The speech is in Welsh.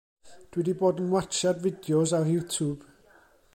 Dw i 'di bod yn watsiad fideos ar Youtube.